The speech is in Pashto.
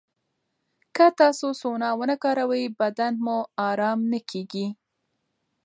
که تاسو سونا ونه کاروئ، بدن مو ارام نه کېږي.